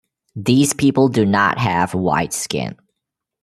These people do not have white skin.